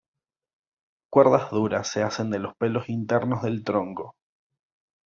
Cuerdas duras se hacen de los pelos internos del tronco.